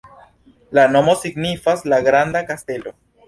La nomo signifas: "la granda kastelo".